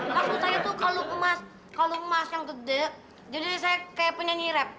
kasutannya tuh kalau emas kalau emas yang gede jadi saya kayak punya nyirep